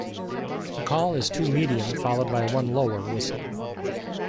The call is two medium followed by one lower whistle.